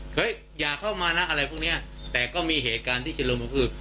อย่าเข้ามานะอะไรพวกเนี้ยแต่ก็มีเหตุการณ์ที่ชุดละมุนคือ